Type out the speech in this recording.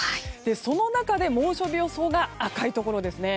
その中で猛暑日予想が赤いところですね。